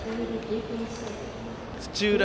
土浦